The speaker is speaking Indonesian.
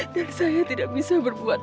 dan saya tidak bisa berbuat